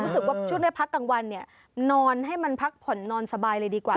ก็คิดว่าช่วงในพักกลางวันนอนให้มันพักผลนอนสบายเลยดีกว่า